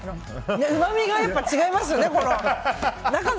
うまみがやっぱ違いますよね！